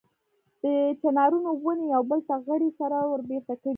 د چنارونو ونې یو بل ته غړۍ سره وربېرته کړي.